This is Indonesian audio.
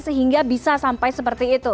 sehingga bisa sampai seperti itu